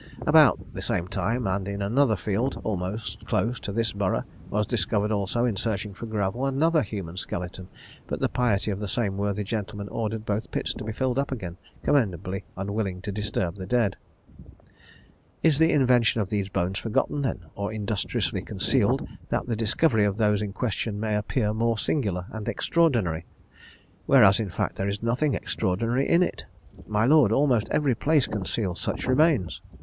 "About the same time, and in another field, almost close to this borough, was discovered also, in searching for gravel, another human skeleton; but the piety of the same worthy gentleman ordered both pits to be filled up again, commendably unwilling to disturb the dead. "Is the invention of these bones forgotten, then, or industriously concealed, that the discovery of those in question may appear the more singular and extraordinary? whereas, in fact, there is nothing extraordinary in it. My lord, almost every place conceals such remains.